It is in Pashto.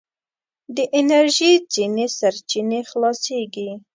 د انرژي ځينې سرچينې خلاصیږي.